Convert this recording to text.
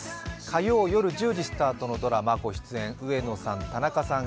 火曜夜１０時スタートのドラマご出演、上野さん、田中さん